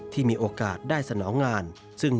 ภาคอีสานแห้งแรง